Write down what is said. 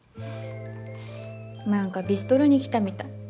なんかビストロに来たみたい。